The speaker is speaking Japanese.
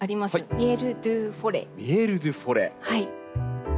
「ミエル・ドゥ・フォレ」。